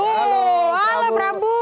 tuh ala prabu